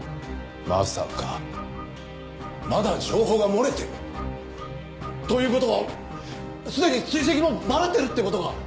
まさかまだ情報が漏れてる？という事はすでに追跡もバレてるって事か？